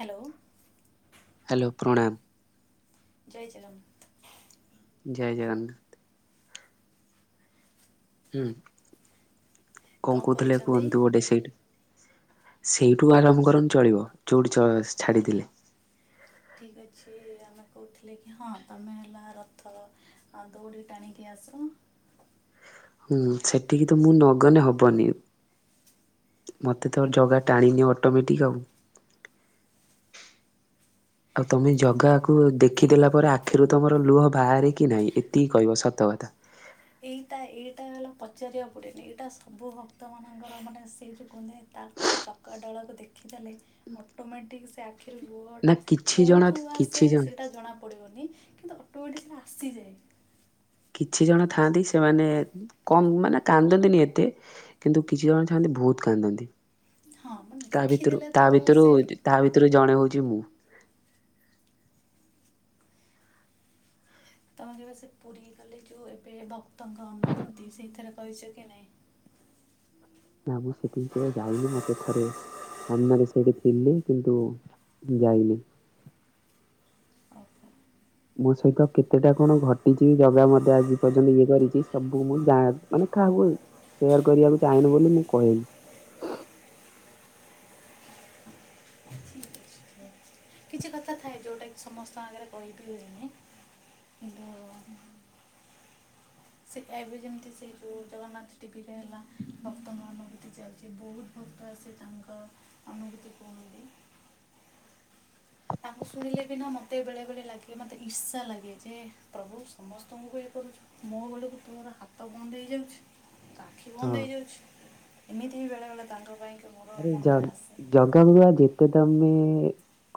Hello. Hello ପ୍ରଣାମ। ଜୟ ଜଗନ୍ନାଥ। ଜୟ ଜଗନ୍ନାଥ। ହୁଁ କ'ଣ କଣ କହୁଥିଲେ କରୁଛନ୍ତି କୁହନ୍ତୁ ଗୋଟେ ସେଇଠୁ ସେଇଠୁ ଆରମ୍ଭ କରନ୍ତୁ ଚଳିବ ଯୋଉଠି ଚ ଛାଡିଥିଲେ। ଠିକ୍ ଅଛି। ଏଇ ଆମେ କହୁଥିଲେ କି ହଁ ତମେ ହେଲା ରଥ ଅ ଦୌଡ଼ି ଟାଣିକି ଆସ। ହୁଁ ସେଠିକି ତ ମୁଁ ନଗଲେ ହବନି। ମତେ ତ ଜଗା ଟାଣିନିଏ ଅଟୋମେଟିକ୍ ଆଉ। ଆଉ ତମେ ଜଗାକୁ ଦେଖିଦେଲା ପରେ ଆଖିରୁ ତମର ଲୁହ ବାହାରେ କି ନାହିଁ ଏତିକି କହିବ ସତ କଥା? ଏଇଟା-ଏଇଟା ଆଉ ପଚାରିବାକୁ ପଡିବନି। ଏଇଟା ସବୁ ଭକ୍ତମାନଙ୍କର ମାନେ ସେଇ ଯେଉଁ କୁହନ୍ତିନି ତା ତୋ ଚକା ଡୋଳାକୁ ଦେ ଦେଖିଦେଲେ ଅଟୋମେଟିକ୍ ସେ ଆଖିରୁ ନା ଲୁହଟା କିଛି ଜଣ କୋଉଠୁ କିଛି ଆସେ ଜଣ ସେଇଟା ଜଣା ପଡ଼ିବନି କିନ୍ତୁ ଅଟୋମେଟିକ୍ ସେଟା ଆସିଯାଏ। କିଛିଜଣ ଥାଆନ୍ତି ସେମାନେ କମ୍ ମାନେ କାନ୍ଦନ୍ତିନି ଏତେ କିନ୍ତୁ କିଛି ଜଣ ଥାଆନ୍ତି ବହୁତ କାନ୍ଦନ୍ତି। ହଁ ମାନେ ତା ଭିତରୁ ଦେଖିଦେଲେ ତ ତା ଭିତରୁ ସେ ତା ଭିତରୁ ଜଣେ ହଉଛି ମୁଁ। ତମେ କେବେ ସେ ପୁରୀ ଗଲେ ଯୋଉ ଏବେ ଭକ୍ତଙ୍କ ଅନୁଭୂତି ସେଇଥିରେ କହିଛ କି ନାହିଁ? ନା ମୁଁ ସେଠିକି କେବେ ଯାଇନି। ମତେ ଥରେ ସାମ୍ନାରେ ସେଇଠି ଥିଲି କିନ୍ତୁ ଯାଇନି। ଓହୋ ମୋ ସହିତ କେତେଟା କଣ ଘଟିଛି ଜଗା ମଧ୍ୟ ଆଜି ପର୍ଯ୍ୟନ୍ତ ଇଏ କରିଛି। ସବୁ ମୁଁ ଯା ମାନେ କାହାକୁ ସେୟାର କରିବାକୁ ଚାହିଁନି ବୋଲି ମୁଁ କହେନି। ଠିକ୍ ଅଛି। କିଛିକଥା ଥାଏ ଯୋଉଟାକି ସମସ୍ତଙ୍କ ଆଗରେ କହିବି ହୁଏନି। କିନ୍ତୁ ସେ ଏବେ ଯେମିତି ସେଇ ଯୋଉ ଜଗନ୍ନାଥ ଟିଭିରେ ହେଲା। ଭକ୍ତଙ୍କ ଅନୁଭୂତି ଚାଲିଛି। ବହୁତ ଭକ୍ତ ଆସି ତାଙ୍କ ଅନୁଭୂତି କୁହନ୍ତି। ତାଙ୍କୁ ଶୁଣିଲେ ବିନା ମୋତେ ବେଳେବେଳେ ଲାଗେ ମୋତେ ଇର୍ଶା ଲାଗେ। ଯେ ପ୍ରଭୁ ସମସ୍ତଙ୍କୁ ଇଏ କରୁଛ। ମୋ ବେଳକୁ ତୁମର ହାତ ବନ୍ଦ ହେଇଯାଉଛି, ଆଖି ହଁ ବନ୍ଦ ହେଇଯାଉଛି। ଏମିତି ବି ବେଳେବେଳେ ତାଙ୍କ ପାଇଁ କି ମୋର ମନରେ ଆସେ। କଣ ନା ଯେତେ ଦାମୀ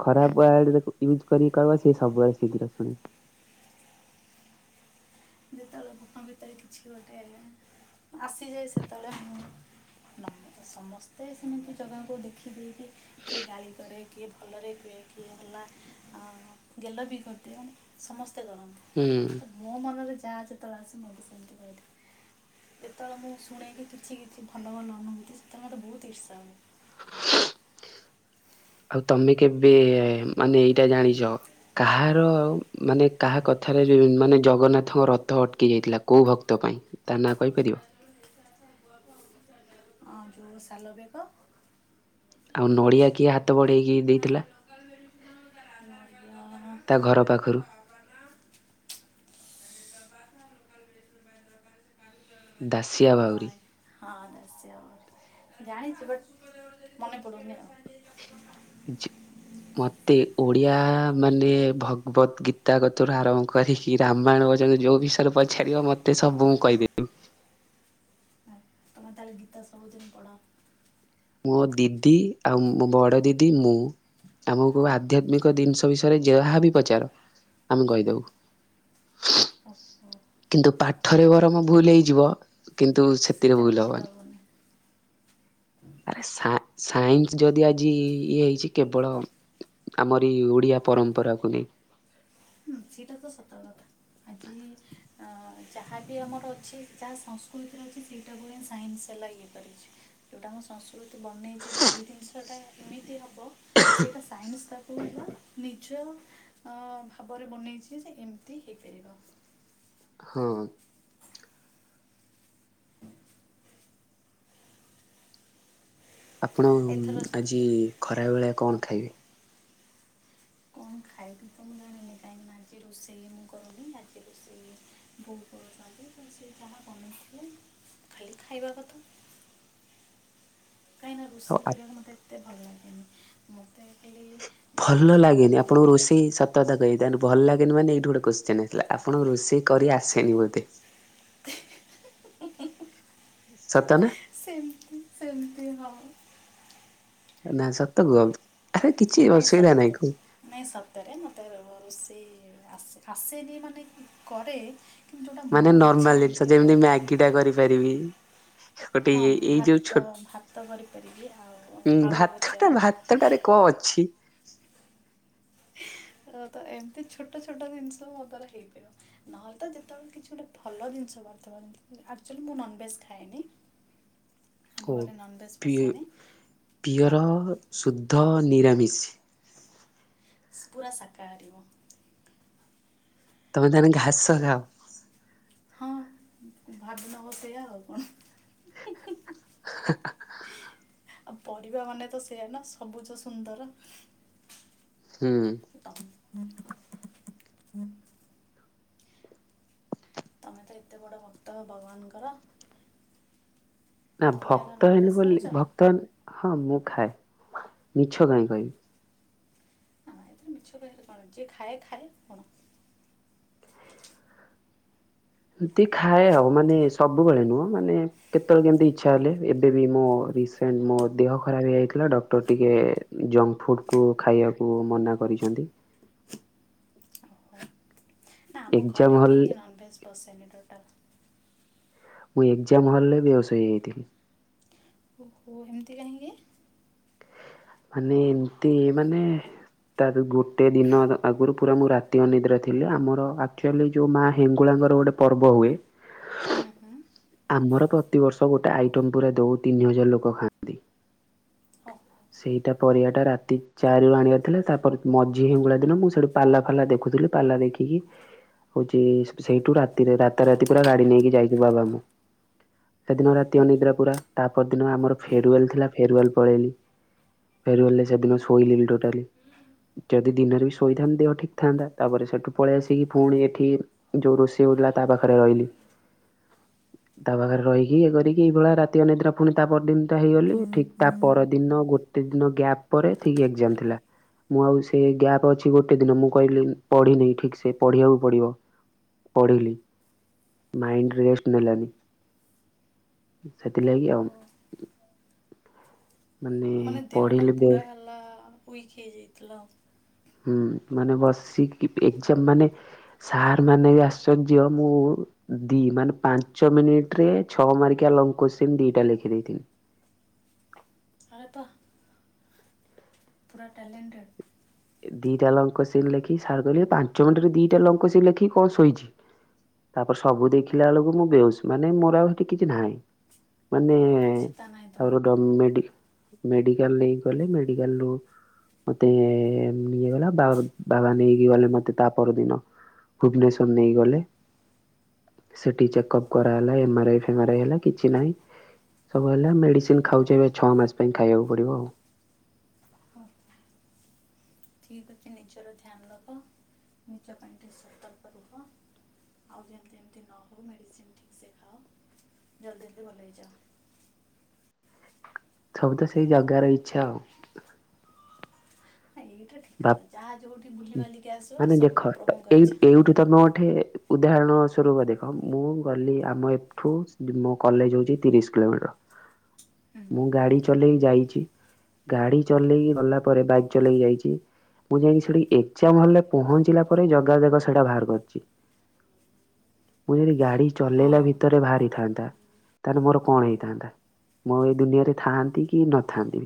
ଖରାପ ୱାର୍ଡ [unintelligible] ଇଉଜ୍ କରିକି କହିବ ସେ ସବୁବେଳେ ଶୀଘ୍ର ଶୁଣିବେ। ଯେତେବେଳେ ଭୁଖ ଭିତରେ କିଛି ଗୋଟେ ହେଲେ ଆସିଯାଏ ସେତେବେଳେ ମୁଁ ନମ ସମସ୍ତେ ସେମିତି ଜଗାଙ୍କୁ ଦେଖି ଦେଇକି କିଏ ଗାଳି କରେ କିଏ ଭଲରେ କୁହେ, କିଏ ହେଲା ଗେଲ ବି କରିଦିଅନ୍ତି, ସମସ୍ତେ କରନ୍ତି। ହୁଁ। ତ ମୋ ମନରେ ଯାହା ଯେତେବେଳେ ଆସେ ମୁଁ ବି ସେମିତି କହିିଦିଏ। ଯେତେବେଳେ ମୁଁ ଶୁଣେ କି କିଛି କିଛି ଭଲ ଭଲ ଅନୁଭୂତି ସେତେବେଳେ ମତେ ବହୁତ ଇର୍ଷା ହୁଏ। ଶୁ। ଆଉ ତମେ କେବେ ମାନେ ଏଇଟା ଜାଣିଛ? କାହାର ମାନେ କାହା କଥାରେ ରୁ ମାନେ ଜଗନ୍ନାଥଙ୍କ ରଥ ଅଟକି ଯାଇଥିଲା କୋଉ ଭକ୍ତ ପାଇଁ? ତା ନାଁ କହିପାରିବ? [unintelligible] ହଁ ଯୋଉ ସାଲବେଗ। ଆଉ ନଡ଼ିଆ କିଏ ହାତ ବଢ଼େଇକି ଦେଇଥିଲା? ନଡ଼ିଆ [inaudible] ତା ଘର ପାଖରୁ ଦାସିଆ ବାଉରି। ନାଇଁ। ହଁ [inaudible] ଜାଣିଚି ବଟ ମନେ ପଡୁନି ଆଉ। ଜ ମତେ ଓଡ଼ିଆ ମାନେ ଭଗବତ ଗୀତା ଗତରୁ ଆରମ୍ଭ କରି କି ରାମାୟଣ ପ ଯୋଉ ବିଷୟରେ ପଚାରିବ ମତେ ସବୁ ମୁଁ କହିଦେବି। ତମେ ତାହେଲେ ଗୀତ ସବୁଦିନ ପଢ। ମୋ ଦିଦି ଆଉ ମୋ ବଡ଼ ଦିଦି ମୁଁ ଆମକୁ ହଁ ଆଧ୍ୟାତ୍ମିକ ଜିନିଷ ବିଷୟରେ ଯାହାବି ପଚାର ଆମେ କହିଦବୁ। ଆଛା। କିନ୍ତୁ ପାଠରେ ବରମ ଭୁଲ ହେଇଯିବ କିନ୍ତୁ ସେ ସେଥିରେ ଭୁଲ ହବନି। ଆରେ ସା ସାଇନ୍ସ ଯଦି ଆଜି ଇଏ ହେଇଚି କେବଳ ଆମରି ଓଡିଆ ପରମ୍ପରାକୁ ନେଇ। ହୁଁ, ସେଇଟା ତ ସତ କଥା ଆଜି ଅ ଯାହା ବିି ଆମର ଅଛି ଯାହା ସଂସ୍କୃତିରେ ଅଛି, ସେଇଟାକୁ ହ ସାଇନ୍ସ ହେଲା ଇଏ କରିଚି। ଯଉଁଟା ଆମ ସଂସ୍କୃତି ବନେଇଚି ଯେ ଏଇ ଜିନିଷଟା ଏମିତି ହବ ସେଇଟା ସାଇନ୍ସ ତାକୁ ହେଲା ନି ନିଜ ଅ ଭାବରେ ବନେଇଚି ଯେ ଏମିତି ହେଇପାରିବ। ହୁଁ। ଆପଣ ଏଥର ଆଜି ଖରାବେଳେ କଣ ଖାଇବେ? ଖାଇ ପି କଣ ମୁଁ ଜଣିନି କାହିଁକି ଆଜି ରୋଷେଇ ମୁଁ କରୁନି ଆଜି ରୋଷେଇ ବୋଉ କରୁଚନ୍ତି ତ ସେ ଯାହା ବନେଇଥିବେ ଖାଲି ଖାଇବା କଥା। କାହିଁକିନା ଆଉ ରୋଷେଇ କରିବାକୁ ମୋତେ ଏତେ ଭଲ ଲାଗେନି। ମୋତେ ଖାଲି ଯଦି ଭଲ କିଛି ଗୋଟେ ଲାଗେନି ଭଲ ଆପଣଙ୍କୁ ରୋଷେଇ ସ ତକଥା କହ ବି ତ ଭଲ ଲାଗେନି ମାନେ ଏଇଠି ଗୋଟେ କୋଶ୍ଚିନ ଆସିଲା ଆପଣଙ୍କୁ ରୋଷେଇ କରି ଆସେନି ବୋଧେ? [unintelligible] ସତ ନା? ସେମତି ସେମତି ହ। ନା ସତ କୁହ ଆରେ କିଛି ଅସୁବିଧା ନାଇଁ କୁ ନାଇଁ ସତରେ ମତେ ରୋ ରୋଷେଇ ଆସେନି ମାନେ କରେ। କିନ୍ତୁ ଯେଉଁଟା ମୋ ମାନେ ଇଚ୍ଛା ନର୍ମାଲ ଜିନିଷ ହେଇଥିବ ଯେମିତି ମ୍ୟାଗି ଟା କରିପାରିବି। ଗୋଟେ ହଁ ଇଏ ଏଇ ଯୋଉ ଭାତ ଛୋଟ ଭାତ କରିପାରିବି ଆଉ ଆଳୁ ଭଜା। କେତେଟାରେ କଣ ଅଛି? ତ ଏମିତି ଛୋଟ ଛୋଟ ଜିନିଷ ମୋ ଦ୍ୱାରା ହେଇପାରିବ। ନହେଲେ ତ ଯେତେବେଳେ କିଛି ଗୋଟେ ଭଲ ଜିନିଷ କରିଥିବ ନେଇ ଆକଚୁଆଲି ମୁଁ ନନ ଭେଜ ଖାଏନି। ଓ ଆମ ଘରେ ନନଭେଜ ପି ପସେନି ହଁ। ପିଓର ଶୁଦ୍ଧ ନିରାମିଷ। ପୁରା ସାକାହାରି ମୁଁ। ତମେ ତାହାନେ ଘାସ ଖାଅ। ହଁ ଭାବି ନବ ସେୟା ଆଉ କଣ? [unintelligible] ଆଉ ପରିବା ମାନେ ତ ସେଇଆ ନା ସବୁଜ ସୁନ୍ଦର। ହୁଁ। ତମ ତମେ ତ ଏତେ ବଡ ଭକ୍ତ ହ ଭଗବାନଙ୍କର ନା ତମେ ହେଲା ଭକ୍ତ ହେନି ନନଭେଜ୍ ବୋଲି ଖାଉଛ ଭକ୍ତ ହଁ ମୁଁ ଖାଏ ମିଛ କାଇଁ କହିବି। ନା ଏଥିରେ ମିଛ କହିଆ ରେ କଣ ଯିଏ ଖାଏ ଖାଏ କଣ। ଏମିତି ଖାଏ ଆଉ ମାନେ ସବୁବେଳେ ନୁହଁ ମାନେ କେତେବେଳେ କେମିତି ଇଚ୍ଛା ହେଲେ ଏବେ ବି ମୋ ରିସେଣ୍ଟ ମୋ ଦେହ ଖରାପ ହେଇଯାଇଥିଲା ଡକ୍ଟର ଟିକେ ଜଙ୍କ ଫୁଡ଼କୁ ଖାଇବାକୁ ମନା କରିଚନ୍ତି। ଓହୋ। ନା ଆମ ଏକ୍ଜାମ ଘରେ ବି ହଲ୍ ନନଭେଜ୍ ପସେନି ଟୋଟାଲ। ମୁଁ ଏକ୍ଜାମ ହଲ ରେ ବେହୋସ ହେଇ ଯାଇଥିଲି। ଓହୋ ଏମିତି କାହିଁକି? ମାନେ ଏମିତି ମାନେ ତା ଗୋଟେ ଦିନ ଆଗୁରୁ ପୁରା ମୁଁ ରାତି ଅନିଦ୍ରା ଥିଲି। ଆମର ଆକ୍ଚୁଆଲି ଯେଉଁ ମାଆ ହେଙ୍ଗୁଳାଙ୍କର ଗୋଟେ ପର୍ବ ହୁଏ। ହୁଁ ହୁଁ ଆମର ପ୍ରତିବର୍ଷ ଗୋଟେ ଆଇଟମ୍ ପୁରା ଦଉ ତିନି ହଜାର ଲୋକ ଖାଆନ୍ତି। ହଁ। ସେଇଟା ପରିବାଟା ରାତି ଚାରିରୁ ଆଣିବାର ଥିଲା ତାପରେ ମଝି ହେିଙ୍ଗୁଳା ଦିନ ମୁଁ ସେଠୁ ପାଲା ଫାଲା ଦେଖୁଥିଲି। ପାଲା ଦେଖିକି ହଉଚି ସେଇଠୁ ରାତିରେ ରାତା ରାତି ପୁରା ଗାଡି ନେଇକି ଯାଇଚୁ ବାବା ମୁଁ। ସେଦିନ ରାତି ଅନିଦ୍ରା ପୁରା ତାପ ଦିନ ଆମର ଫେରୱେଲ ଥିଲା ଫେରୱାଲ ପଳେଇଲି। ଫେରୱାଲ ରେ ସେଦିନ ହୁଁ ଶୋଇିଲିନି ଟୋଟାଲି। ଯଦି ଦିନରେ ବି ଶୋଇଥାନ୍ତି ଦେହ ଠିକ୍ ଥାନ୍ତା। ତାପରେ ସେଠୁ ପଳେଇ ଆସିକି ପୁଣି ଏଠି ଯୋଉ ରୋଷେଇ ହଉଥିଲା ତା ପାଖରେ ରହିଲି। ତା ପାଖରେ ରହିକି ଇଏ କରିକି ଏଇଭଳି ରାତି ଅନିଦ୍ରା ପୁଣି ତା ପରଦିନଟା ହେଇଗଲି। ଠିକ ତା ପରଦିନ ଗୋଟେ ଦିନ ଗ୍ୟାପ ପରେ ଠିକ୍ ଏକ୍ଜାମ ଥିଲା। ମୁଁ ଆଉ ସେ ଗ୍ୟାପ୍ ଅଛି ଗୋଟେ ଦିନ ମୁଁ କହିଲି ପଢିନି ଠିକ୍ ସେ ପଢିବାକୁ ପଡିବ। ପଢିଲି ମାଇଣ୍ଡ ରେଷ୍ଟ ନେଲାନି। ସେଥିଲାଗି ଓହୋ ଆଉ। ମାନେ ଦେହ ଟା ପଢିଲି ବେ ପୁରା ହେଲା ଉଇକ ହେଇଯାଇଥିଲା ଆ। ହୁଁ ମାନେ ବସିକି ଏକ୍ଜାମ ମାନେ ସାର୍ ମାନେ ବି ଆଶ୍ଚର୍ଯ୍ୟ ମୁଁ ଦି ମାନେ ପାଞ୍ଚ ମିନିଟ ରେ ଛଅ ମାରିକିଆ ଲଙ୍ଗ କୋଶ୍ଚିନ୍ ଦିଟା ଲେଖି ଦେଇଥିଲି। ଆରେ ବାଃ। ପୁରା ଟ୍ୟାଲେଣ୍ଟେଡ଼୍। ଦିଟା ଲଙ୍ଗ କୋଶ୍ଚିନ୍‌ ଲେଖି ସାର କହିଲେ ପାଞ୍ଚ ମିନିଟରେ ଦିଟା ଲଙ୍କ କୋଶ୍ଚିନ୍‌ ଲେଖି କଣ ଶୋଇଚି। ତାପରେ ସବୁ ଦେଖିଲା ବେଳକୁ ମୁଁ ବେହୋସ ମାନେ ମୋର ଆଉ ସେଠି କିଛି ନାହିଁ ମାନେ ଚେତା ନାହିଁ [unintelligible] ତମର ତ ମେଡ଼ି ମେଡିକାଲ ନେଇ ଗଲେ ମେଡିକାଲୁ ମତେ ନିଏ ଗଲା ବା ବାବା ନେଇକି ଗଲେ ମତେ ତା ପରଦିନ। ଭୁବନେଶ୍ୱର ନେଇକି ଗଲେ। ସେଠି ଚେକ ଅପ୍ କରାହେଲା ଏମ ଆର ଆଇ ଫେମର ଆଇ ହେଲା କିଛି ନାହିଁ। ସବୁ ହେଲା ମେଡ଼ିସିନ ଖାଉଚି ଏବେ ଛଅ ମାସ ପାଇଁ ଖାଇବାକୁ ପଡ଼ିବ ଆଉ ଠିକ ଅଛି ନିଜର ଧ୍ୟାନ ରଖ ନିଜ ପାଇଁ ଟିକେ ସତର୍କ ରୁହ। ଆଉ ଯେମିତି ଏମିତି ନ ହେଉ ମେଡ଼ିସିନ ଠିକ ସେ ଖାଅ ଜଲଦି ଜଲଦି ଭଲ ହେଇଯାଅ। ସବୁ ତ ସେଇ ଜଗାର ଇଚ୍ଛା ଆଉ। ହଁ ଏଇଟା ଠିକ୍ ବା କଥା ଯାହା ଯୋଉଠି ବୁଲିବାଲିକି ଆସିବ ମାନେ ସବୁ ଦେଖ ପ୍ରଭୁଙ୍କ ଏଇ ଇଚ୍ଛା ଏଇଠୁ ତମ ଗୋଟେ ଉଦାହରଣ ସ୍ୱରୂପ ଦେଖ, ମୁଁ ଗଲି ଆମ ଏ ଠୁ ମୋ କଲେଜ୍ ହଉଚି ତିରିଶ୍ କିଲୋମିଟର। ମୁଁ ଗାଡି ଚଲେଇ ଯାଇଚି, ଗାଡି ଚଲେଇ ଗଲାପରେ ବାଇକ୍ ଚଲେଇ ଯାଇଚି। ମୁଁ ଯାଇକି ସେଠି ଏକ୍ଜାମ୍ ହଲ୍ ରେ ପହଞ୍ଚିଲା ପରେ ଜଗା [unintelligible] ସେଇଟା ବାହାର କରିଚି। ମୁଁ ଯଦି ଗାଡି ହଁ ଚଲେଇଲା ଭିତରେ ବାହାରିଥାନ୍ତା, ତାହେଲେ ମୋର କଣ ହେଇଥାନ୍ତା। ମୁଁ ଆଉ ଏଇ ଦୁନିଆରେ ଥାଆନ୍ତି କି ନଥାନ୍ତି।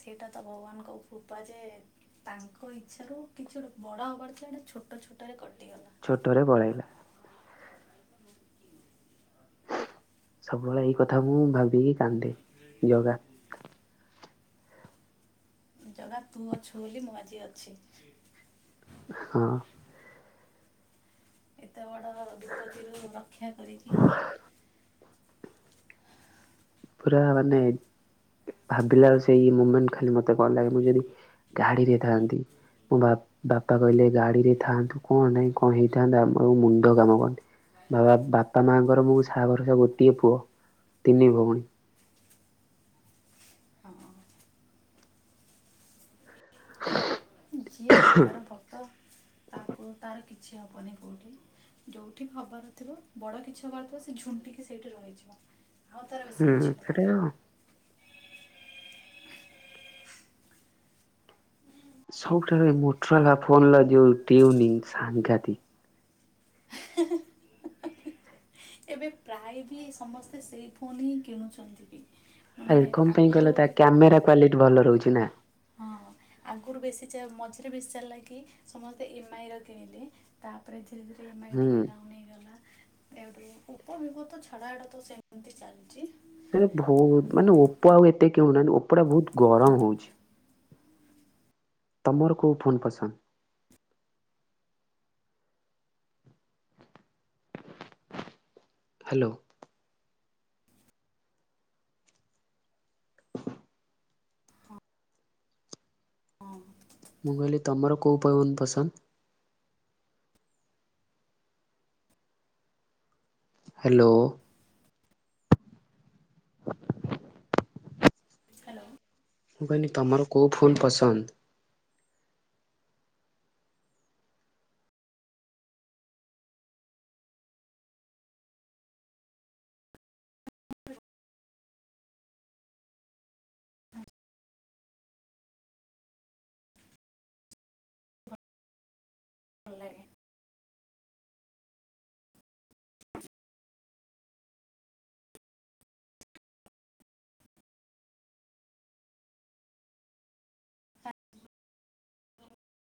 ସେଇଟା ତ ଭଗବାନଙ୍କ କୃପା ଯେ ତାଙ୍କ ଇଚ୍ଛାରୁ କିଛି ଗୋଟେ ବଡ ହବାର ଥିଲା [unintelligible] ଛୋଟ ଛୋଟରେ କଟିଗଲା। ଛୋଟରେ ପଳେଇଲା। ସବୁବେଳେ ଏଇ କଥା ମୁଁ ଭାବିକି କାନ୍ଦେ ଜଗା। ଜଗା ତୁ ଅଛୁ ବୋଲି ମୁଁ ଆଜି ଅଛି। ହଁ। ଏତେ ବଡ ବିପତ୍ତିରୁ ରକ୍ଷା କରିକି ପୁରା ମାନେ ଭାବିଲା ସେଇ ମୁମେଣ୍ଟ ଖାଲି ମତେ କଣ ଲାଗେ ମୁଁ ଯଦି ଗାଡିରେ ଥାଆନ୍ତି ମୋ ବା ବାପା କହିଲେ ଗାଡି ରେ ଥାଆନ୍ତୁ କଣ ନାଇଁ କଣ ହେଇଥାନ୍ତା ଆମର ଆଉ ମୁଣ୍ଡ କାମ କରୁନି। [unintelligible] ବାପା ମାଆଙ୍କର ମୁଁ ସାହାଭରସା ଗୋଟିଏ ପୁଅ ତିନି ଭଉଣୀ। ହଁ। ହଁ [unintelligible] ଯିଏ ଜଗାର ଭକ୍ତ, ତାକୁ ତାର କିଛି ହବନି କୋଉଠି। ଯୋଉଠି ବି ହବାର ନଥିବ ବଡ କିଛି ହବାର ଥିବ ସେ ଝୁଣ୍ଟିକି ସେଇଠି ରହିଯିବ। ଆଉ ତାର ବେଶୀ ହୁଁ କିଛି ସେଟା ହବନି। ସବୁଠାରୁ ଏ ମୋଟରୋଲା ଫୋନ୍ ଲ ଯୋଉ ଟିଉନିଙ୍ଗ ସାଂଘାତିକ୍। ହେ-ହେ। ଏବେ ପ୍ରାୟ ବି ସମସ୍ତେ ସେଇ ଫୋନ୍ ହିଁ କିଣୁଚନ୍ତି ବି। ମାନେ ଆରେ କଣ ପାଇଁ ଆଗରୁ କହିଲ ତା କ୍ୟାମେରା କ୍ଵାଲିଟି ଭଲ ରହୁଚି ନା। ହଁ। ଆଗୁରୁ ବେଶି ଚା ମଝିରେ ବେଶି ଚାଲିଲା କି ସମସ୍ତେ ଏମ୍ ଆଇ ର କିଣଲେ। ତାପରେ ଧିରେ-ଧିରେ ଏମ୍ ଆଇ ଟିକେ ହୁଁ। ଡାଉନ୍ ହେଇଗଲା। ଏଇଠୁ ଓପୋ ଭିବୋ ତ ଛାଡ ଆଡ ତ ସେମ୍ତି ଚାଲ୍ଚି। ସେ ଭଉତ୍ ମାନେ ଓପ ଆଉ ଏତେ କିଣୁନାହାନ୍ତି, ଓପଟା ଭଉତ୍ ଗରମ୍ ହଉଛି। ତମର କୋଉ ଫୋନ୍ ପସନ୍ଦ? ହାଲୋ। ହଁ। ମୁଁ କହିଲି ତମର କୋଉ ଫୋନ୍ ପସନ୍ଦ? ହେଲୋ। ହାଲୋ। ମୁଁ କହିନି ତମର କୋଉ ଫୋନ୍ ପସନ୍ଦ? ଭଲ ଲାଗେ। [inaudible]